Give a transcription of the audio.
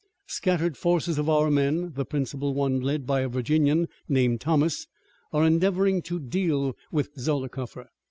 Scattered forces of our men, the principal one led by a Virginian named Thomas, are endeavoring to deal with Zollicoffer.